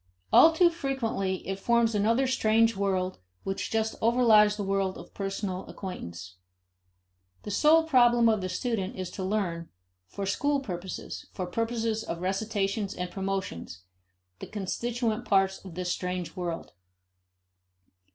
All too frequently it forms another strange world which just overlies the world of personal acquaintance. The sole problem of the student is to learn, for school purposes, for purposes of recitations and promotions, the constituent parts of this strange world.